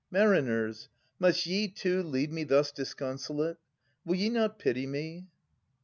Mariners, Must ye, too, leave me thus disconsolate? Will ye not pity me?